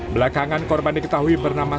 belakangan korban diketahui bernama